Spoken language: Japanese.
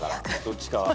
どっちかは。